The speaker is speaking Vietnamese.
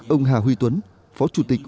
ông hà huy tuấn phó chủ tịch